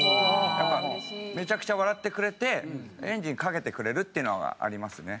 やっぱめちゃくちゃ笑ってくれてエンジンかけてくれるっていうのがありますね。